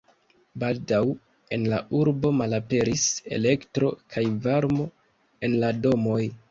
Baldaŭ en la urbo malaperis elektro kaj varmo en la domoj.